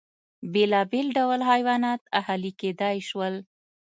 بېلابېل ډول حیوانات اهلي کېدای شول.